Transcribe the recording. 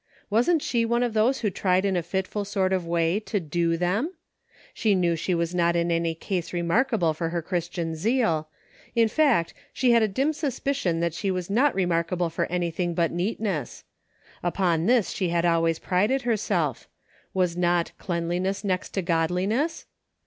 Wasn't she one of those who tried in a fitful sort of way to " do " them .'' She knew she was not in any sense re markable for her Christian zeal ; in fact, she had a dim suspicion that she was not remarkable for anything but neatness ; upon this she had always prided herself ; was not " cleanliness next to godli ness